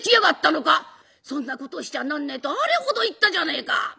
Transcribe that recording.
そんなことしちゃなんねえとあれほど言ったじゃねえか！